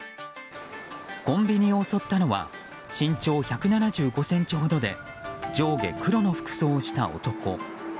コンビニを襲ったのは身長１７５ｃｍほどで上下黒の服装をした男。